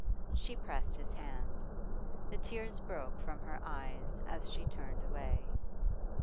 She pressed his band; the tears broke from her eyes as she turned away.